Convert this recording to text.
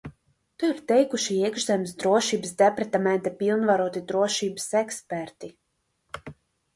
To ir teikuši Iekšzemes drošības departamenta pilnvaroti drošības eksperti.